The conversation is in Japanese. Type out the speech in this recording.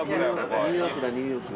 ニューヨークだニューヨーク。